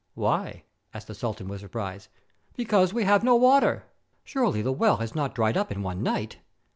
, "Why?" asked the sultan with surprise. "Because we have no water!" ; "Surely the well has not dried up in one night?"